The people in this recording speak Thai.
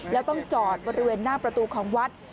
แล้วต้องจอดบริเวณหน้าประตูของวัด